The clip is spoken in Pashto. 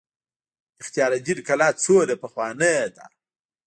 اختیار الدین کلا څومره پخوانۍ ده؟